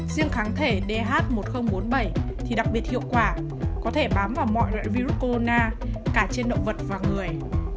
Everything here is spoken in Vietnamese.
riêng kháng thể dh một nghìn bốn mươi bảy thì đặc biệt hiệu quả có thể bám vào mọi loại virus corona cả trên động vật và người